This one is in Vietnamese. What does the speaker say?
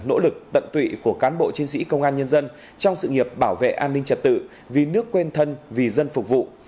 nỗ lực tận tụy của cán bộ chiến sĩ công an nhân dân trong sự nghiệp bảo vệ an ninh trật tự vì nước quên thân vì dân phục vụ